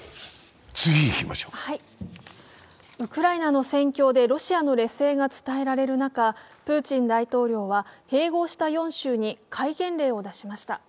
ウクライナの戦況でロシアの劣勢が伝えられる中プーチン大統領は併合した４州に戒厳令を出しました。